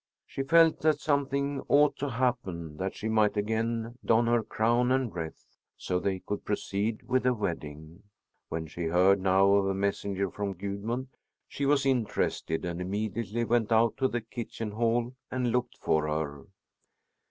She felt that something ought to happen that she might again don her crown and wreath, so they could proceed with the wedding. When she heard now of a messenger from Gudmund, she was interested and immediately went out to the kitchen hall and looked for her.